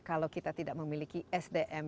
kalau kita tidak memiliki sdm